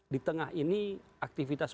di tengah ini aktivitas